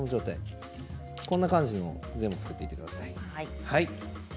こんな感じに作っていってください。